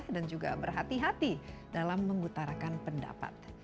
dan juga berhati hati dalam mengutarakan pendapat